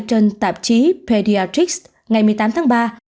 trên tạp chí pediatrics ngày một mươi tám tháng ba